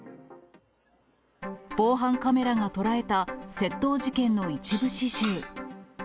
防犯カメラが捉えた、窃盗事件の一部始終。